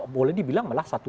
boleh dibilang malah satu